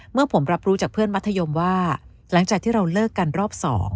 เมื่อผมรับรู้จากเพื่อนมัธยมว่าหลังจากที่เราเลิกกันรอบ๒